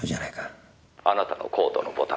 「あなたのコートのボタンと」